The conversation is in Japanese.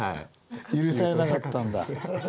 許されなかったんだ。